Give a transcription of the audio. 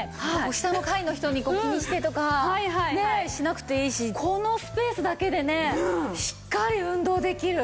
下の階の人に気にしてとかねしなくていいしこのスペースだけでねしっかり運動できる。